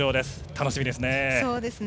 楽しみですね。